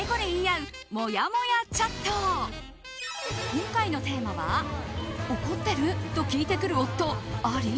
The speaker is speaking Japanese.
今回のテーマは怒ってる？と聞いてくる夫あり？